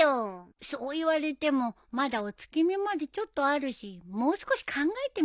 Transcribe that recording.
そう言われてもまだお月見までちょっとあるしもう少し考えてみたら？